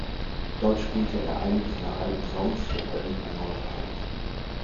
Dort spielte er einige seiner alten Songs für Alben erneut ein.